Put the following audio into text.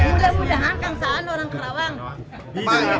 mudah mudahan kang saan orang kerawang